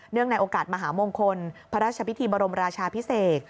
ในโอกาสมหามงคลพระราชพิธีบรมราชาพิเศษ